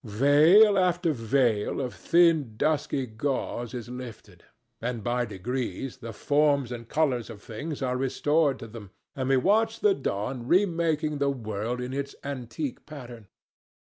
Veil after veil of thin dusky gauze is lifted, and by degrees the forms and colours of things are restored to them, and we watch the dawn remaking the world in its antique pattern.